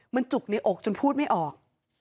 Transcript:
มันจุกในอกจนพูดไม่ออก